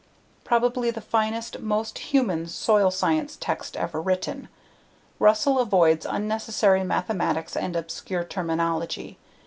Probably the finest, most human soil science text ever written. Russell avoids unnecessary mathematics and obscure terminology.